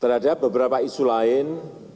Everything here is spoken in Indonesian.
terhadap beberapa isu lain